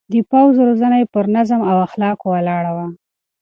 د پوځ روزنه يې پر نظم او اخلاقو ولاړه وه.